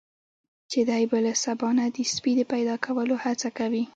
چې دی به له سبا نه د سپي د پیدا کولو هڅه کوي.